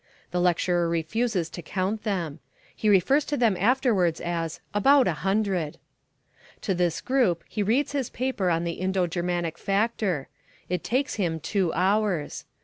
The lecturer refuses to count them. He refers to them afterwards as "about a hundred." To this group he reads his paper on the Indo Germanic Factor. It takes him two hours.